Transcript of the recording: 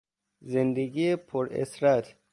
زندگی پرعسرت